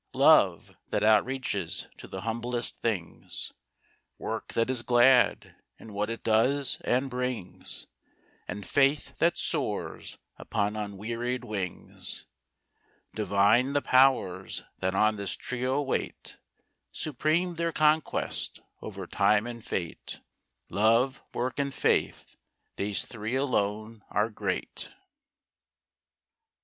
Love, that outreaches to the humblest things; Work that is glad, in what it does and brings; And faith that soars upon unwearied wings. Divine the Powers that on this trio wait. Supreme their conquest, over Time and Fate. Love, Work, and Faith—these three alone are great.